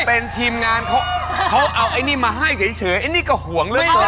เป็นทีมงานเขาเอาไอ้นี่มาให้เฉยไอ้นี่ก็ห่วงเรื่องของ